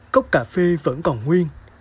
cốc cà phê vẫn còn nguyên